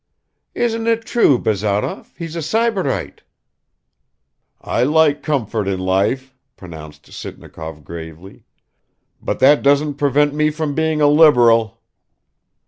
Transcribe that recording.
"Isn't it true, Bazarov, he's a sybarite?" "I like comfort in life," pronounced Sitnikov gravely. "But that doesn't prevent me from being a liberal."